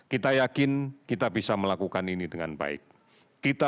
kita yakin kita bisa memperbaiki kondisi kesehatan dan kita akan memperbaiki kondisi kesehatan